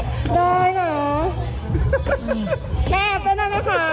แบบตัวนั้นไหมค่ะ